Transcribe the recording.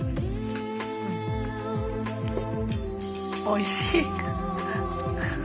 おいしい？